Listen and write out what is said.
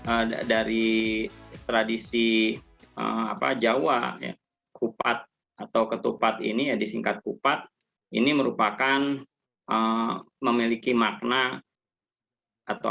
ada dari tradisi apa jawa kupat atau ketupat ini ya disingkat kupat ini merupakan memiliki makna atau